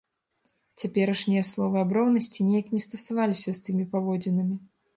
Цяперашнія словы аб роўнасці неяк не стасаваліся з тымі паводзінамі.